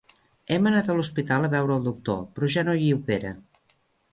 Hem anat a l'hospital a veure el doctor, però ja no hi opera.